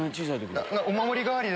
お守り代わりです。